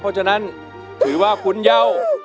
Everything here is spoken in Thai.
เพราะฉะนั้นถือว่าโค่นยาว